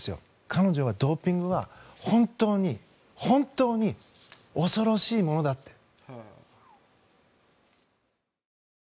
彼女はドーピングは本当に本当に恐ろしいものだって。